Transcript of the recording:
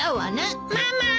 ママ。